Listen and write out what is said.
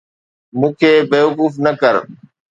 مون کي بيوقوف نه ڪر